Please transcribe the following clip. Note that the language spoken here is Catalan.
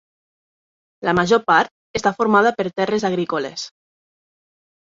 La major part està formada per terres agrícoles.